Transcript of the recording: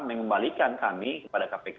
mengembalikan kami kepada kpk